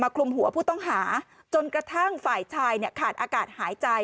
คลุมหัวผู้ต้องหาจนกระทั่งฝ่ายชายขาดอากาศหายใจ